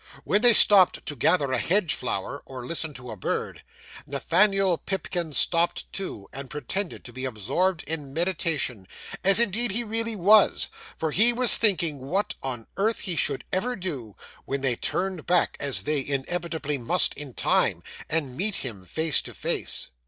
When they stopped to gather a hedge flower, or listen to a bird, Nathaniel Pipkin stopped too, and pretended to be absorbed in meditation, as indeed he really was; for he was thinking what on earth he should ever do, when they turned back, as they inevitably must in time, and meet him face to face.